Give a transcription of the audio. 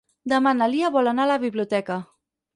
Demà na Lia vol anar a la biblioteca.